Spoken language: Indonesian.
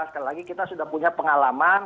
sekali lagi kita sudah punya pengalaman